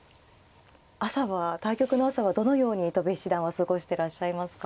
朝は対局の朝はどのように戸辺七段は過ごしてらっしゃいますか。